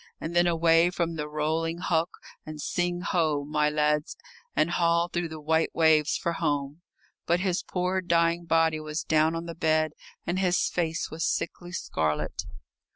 And then away from the rolling hulk, and sing ho, my lads, and haul through the white waves for home. But his poor dying body was down on the bed and his face was sickly scarlet.